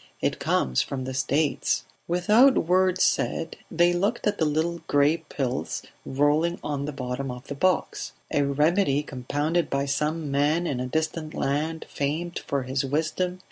It comes from the States ..." Without word said they looked at the little gray pills rolling about on the bottom of the box ... A remedy compounded by some man in a distant land famed for his wisdom